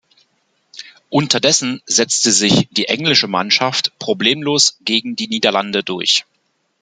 Unterdessen setzte sich die englische Mannschaft problemlos gegen die Niederlande durch.